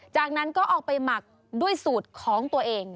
จากนั้นก็เอาไปหมักด้วยสูตรของตัวเอง